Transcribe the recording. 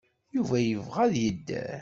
Yuba yebɣa ad yedder.